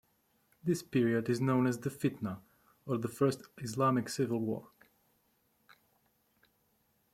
This period is known as the Fitna, or the first Islamic civil war.